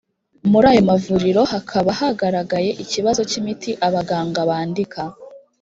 muri ayo mavuriro hakaba haragaragaye ikibazo cy imiti abaganga bandika